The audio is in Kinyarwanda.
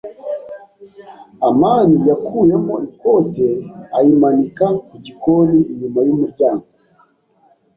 amani yakuyemo ikote ayimanika ku gikoni inyuma y'umuryango.